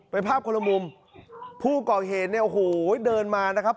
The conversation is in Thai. เป็นภาพคนละมุมผู้ก่อเหตุเนี่ยโอ้โหเดินมานะครับ